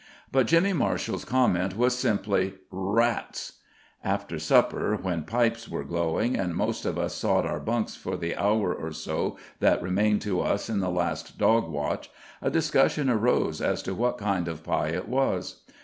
But Jimmy Marshall's comment was simply, "Rats!" After supper, when pipes were glowing, and most of us sought our bunks for the hour or so that remained to us in the last dog watch, a discussion arose as to what kind of pie it was.